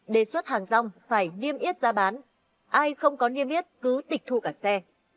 đề xuất hàng rong phải niêm yết giá bán ai không có niêm yết cứ tịch thu cả xe